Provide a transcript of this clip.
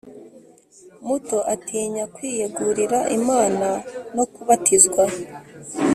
muto atinya kwiyegurira Imana no kubatizwa